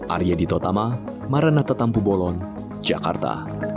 arya dito tama maranata tampu bolon jakarta